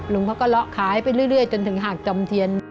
ลุงเขาก็เลาะขายไปเรื่อยจนถึงหาดจอมเทียน